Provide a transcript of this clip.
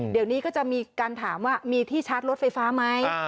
เดี๋ยวนี้ก็จะมีการถามว่ามีที่ชาร์จรถไฟฟ้าไหม